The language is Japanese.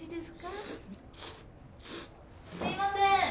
すいません